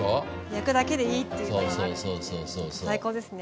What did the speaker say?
焼くだけでいいっていうのがあるって最高ですね。